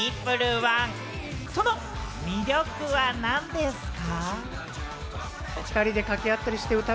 １、その魅力は何ですか？